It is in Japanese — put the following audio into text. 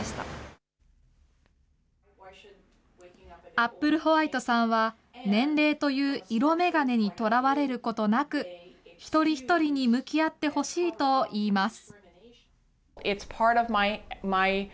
アップルホワイトさんは、年齢という色眼鏡にとらわれることなく、一人一人に向き合ってほしいといいます。